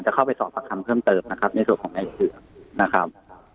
เข้าไปสอบประคำเพิ่มเติมนะครับในส่วนของในเผือกนะครับ